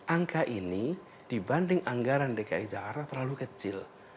angka ini dibanding anggaran dki jakarta terlalu kecil